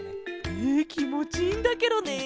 えきもちいいんだケロね。